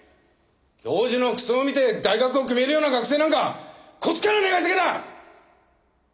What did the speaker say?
教授の服装を見て大学を決めるような学生なんかこっちから願い下げだ！